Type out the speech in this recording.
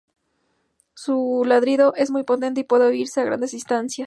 Su ladrido es muy potente y puede oírse a grandes distancias.